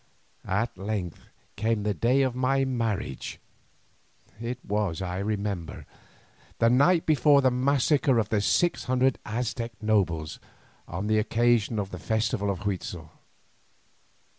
At length came the day of my marriage. It was, I remember, the night before the massacre of the six hundred Aztec nobles on the occasion of the festival of Huitzel.